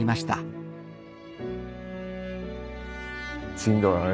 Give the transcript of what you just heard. しんどい